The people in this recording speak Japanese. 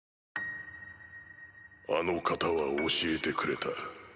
あの方は教えてくれた。